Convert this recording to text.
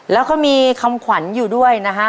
แล้วก็มีคำขวัญอยู่ด้วยนะฮะ